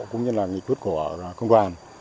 cũng như là nghị quyết của công toàn